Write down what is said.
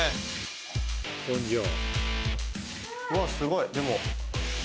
・うわすごいでも・